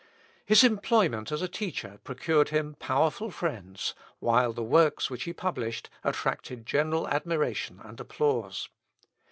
His employment as a teacher procured him powerful friends, while the works which he published attracted general admiration and applause.